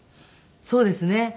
そうですね。